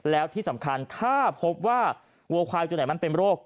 แล้วที่สำคัญถ้าพบว่าวัวควายตัวไหนมันเป็นโรค